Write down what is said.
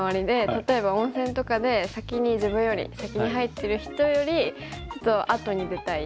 例えば温泉とかで先に自分より先に入ってる人よりちょっと後に出たい。